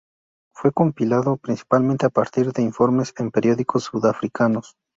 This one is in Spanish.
Fue compilado principalmente a partir de informes en periódicos sudafricanos.